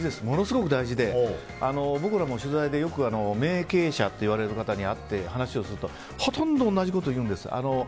ものすごく大事で、僕らも取材でよく名経営者といわれる方に会って話をするとほとんど同じこと言うんです。